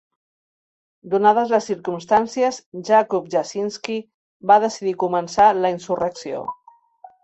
Donades les circumstàncies, Jakub Jasinski va decidir començar la insurrecció.